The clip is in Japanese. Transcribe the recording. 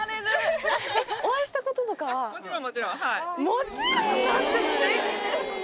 「もちろん」なんてステキですね。